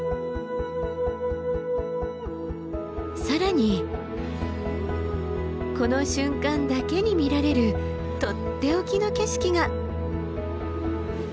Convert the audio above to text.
更にこの瞬間だけに見られるとっておきの景色が。